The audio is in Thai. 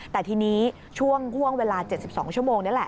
แต่ทีนี้ช่วงห่วงเวลา๗๒ชั่วโมงนี่แหละ